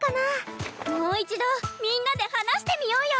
もう一度みんなで話してみようよ！